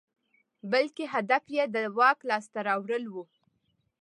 بلکې هدف یې د واک لاسته راوړل وو.